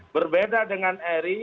berbeda dengan eri